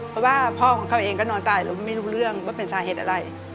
เพราะว่าพ่อของเขาเองก็นอนตายเราไม่รู้เรื่องว่าเป็นสาเหตุอะไร